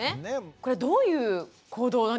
これはどういう行動なんでしょうか？